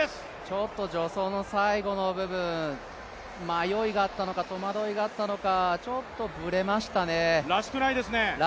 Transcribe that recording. ちょっと助走の最後の部分、迷いがあったのか、戸惑いがあったのか、ちょっとブレました。